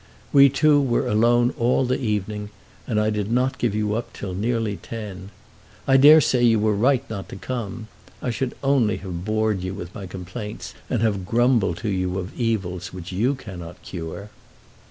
We two were alone all the evening, and I did not give you up till nearly ten. I dare say you were right not to come. I should only have bored you with my complaints, and have grumbled to you of evils which you cannot cure.